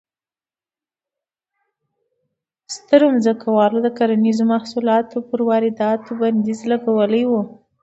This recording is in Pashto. سترو ځمکوالو د کرنیزو محصولاتو پر وارداتو بندیز لګولی و.